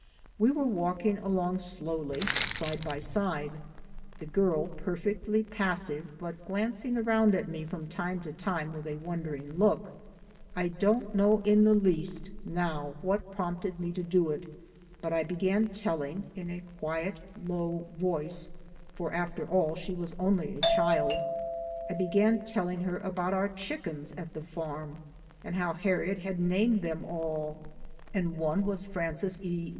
We were walking along slowly, side by side, the girl perfectly passive but glancing around at me from time to time with a wondering look. I don't know in the least now what prompted me to do it, but I began telling in a quiet, low voice for, after all, she was only a child I began telling her about our chickens at the farm and how Harriet had named them all, and one was Frances E.